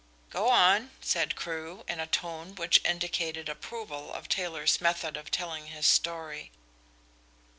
'" "Go on," said Crewe, in a tone which indicated approval of Taylor's method of telling his story.